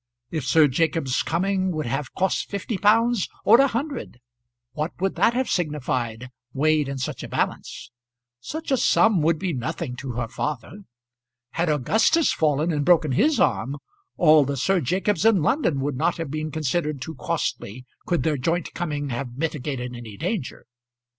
If Sir Jacob's coming would have cost fifty pounds, or a hundred, what would that have signified, weighed in such a balance? Such a sum would be nothing to her father. Had Augustus fallen and broken his arm all the Sir Jacobs in London would not have been considered too costly could their joint coming have mitigated any danger.